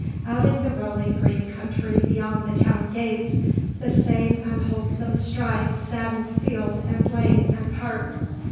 Out in the rolling green country beyond the town gates, the same unwholesome strife saddened field and lane and park.